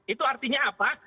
itu artinya apa